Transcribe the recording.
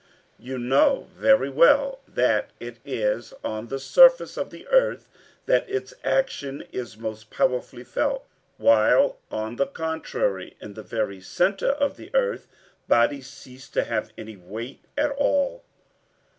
You know very well that it is on the surface of the earth that its action is most powerfully felt, while on the contrary, in the very centre of the earth bodies cease to have any weight at all."